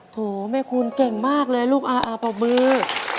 โถแม่คุณเก่งมากเลยลูกอาปรบมือ